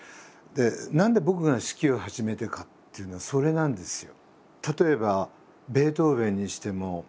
何で僕が指揮を始めたかというのはそれなんですよ。